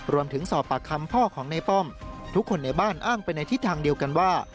รวมถึงสอบปากคำพ่อของในป้อมทุกคนในบ้านอ้างไปในทิศทางเดียวกันว่า